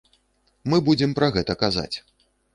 Мы будзем пра гэта казаць.